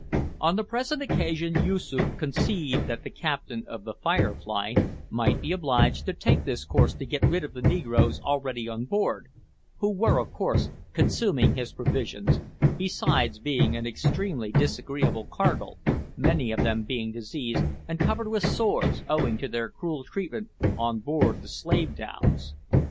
On the present occasion Yoosoof conceived that the captain of the `Firefly' might be obliged to take this course to get rid of the negroes already on board, who were of course consuming his provisions, besides being an extremely disagreeable cargo, many of them being diseased and covered with sores, owing to their cruel treatment on board the slave dhows.